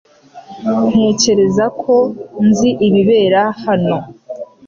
Ntekereza ko nzi ibibera hano .